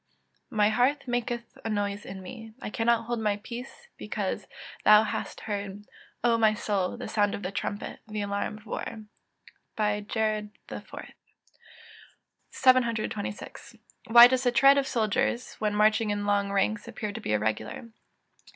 [Verse: "My heart maketh a noise in me: I cannot hold my peace, because thou hast heard, O my soul, the sound of the trumpet, the alarm of war." JER. IV.] 726. _Why does the tread of soldiers, when marching in long ranks, appear to be irregular?